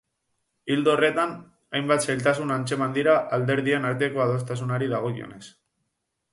Ildo horretan, hainbat zailtasun atzeman dira alderdien arteko adostasunari dagokionez.